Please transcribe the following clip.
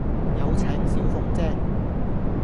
有請小鳳姐